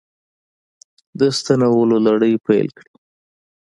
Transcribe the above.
د ستنولو لړۍ پیل کړې